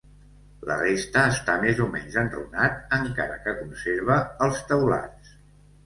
La resta està més o menys enrunat, encara que conserva els teulats.